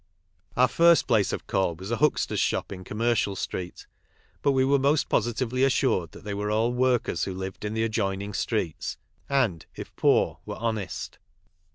Our first place of call was a huxter's shop in Com mercial street, but we were most positively assured that they were all « workers" who lived in the a :1 joining streets, and, if poor, were honest.